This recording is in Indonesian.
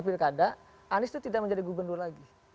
pilkada anies itu tidak menjadi gubernur lagi